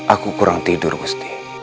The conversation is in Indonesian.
aku kurang tidur gusti